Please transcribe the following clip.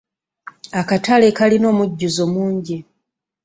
Akatale kajlina omujjuzo mungi.